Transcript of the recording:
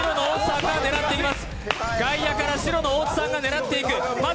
外野から白の大津さんが狙っています。